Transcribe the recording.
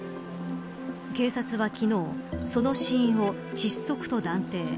警察は昨日、その死因を窒息と断定。